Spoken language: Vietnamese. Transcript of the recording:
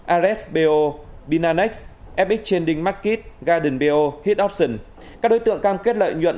ares bo binanex epic trading market garden bo hitoption các đối tượng cam kết lợi nhuận